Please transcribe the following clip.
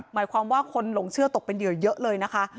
หมายความว่าคนหลงเชื่อตกเป็นเหยื่อเยอะเลยนะคะ